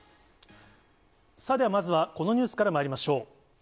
まずはこのニュースからまいりましょう。